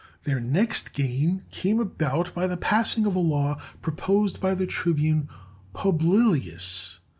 Their next gain came about by the passing of a law proposed by the tribune, Publilius.